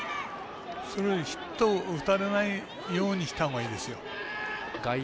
それより、ヒットを打たれないようにしたほうがいいですよ。